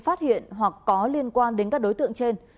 phát hiện hoặc có liên quan đến các đối tượng trên